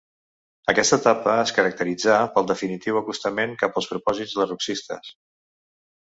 Aquesta etapa es caracteritzà pel definitiu acostament cap als propòsits lerrouxistes.